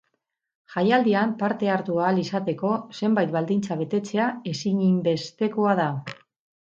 Jaialdian parte hartu ahal izateko zenbait baldintza betetzea ezinbestekoa da.